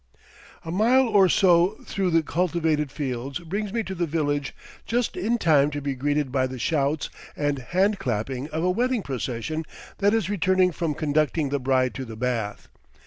A mile or so through the cultivated fields brings me to the village just in time to be greeted by the shouts and hand clapping of a wedding procession that is returning from conducting the bride to the bath.